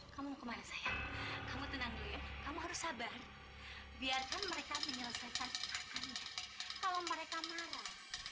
kamu kemana saya kamu tenang kamu harus sabar biarkan mereka menyelesaikan kalau mereka marah